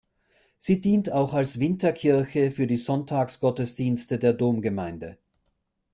Sie dient auch als Winterkirche für die Sonntagsgottesdienste der Domgemeinde.